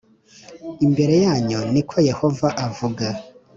imbere yanyu ni ko Yehova avuga